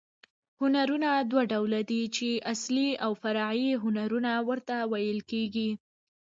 هنرونه دوه ډول دي، چي اصلي او فرعي هنرونه ورته ویل کېږي.